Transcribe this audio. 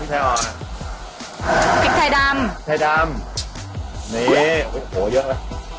พริกไทยอ่อนพริกไทยดำพริกไทยดำนี่โอ้โหเยอะแล้ว